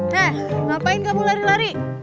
nah ngapain kamu lari lari